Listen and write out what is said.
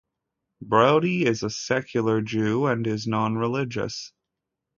Brody is a secular Jew and is non-religious.